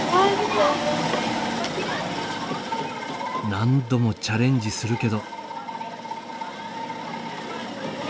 何度もチャレンジするけど。